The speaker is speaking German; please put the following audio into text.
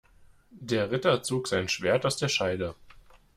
Der Ritter zog sein Schwert aus der Scheide.